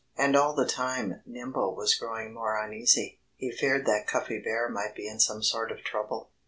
And all the time Nimble was growing more uneasy. He feared that Cuffy Bear might be in some sort of trouble.